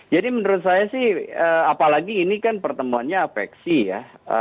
jadi menurut saya sih apalagi ini kan pertemuannya apeksi ya